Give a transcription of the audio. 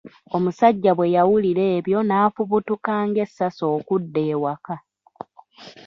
Omusajja bwe yawulira ebyo n'afubutuka ng'essasi okudda ewaka.